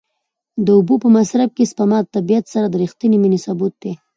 د اوبو په مصرف کې سپما د طبیعت سره د رښتینې مینې ثبوت دی.